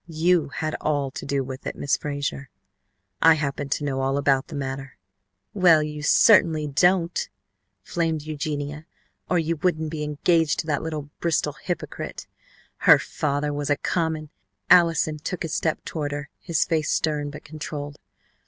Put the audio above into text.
"You had all to do with it. Miss Frazer, I happen to know all about the matter." "Well, you certainly don't," flamed Eugenia, "or you wouldn't be engaged to that little Bristol hypocrite. Her father was a common " Allison took a step toward her, his face stern but controlled.